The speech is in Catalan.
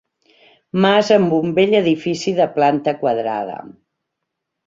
Mas amb un vell edifici de planta quadrada.